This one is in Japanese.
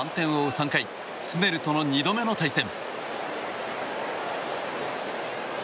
３回スネルとの２度目の対戦。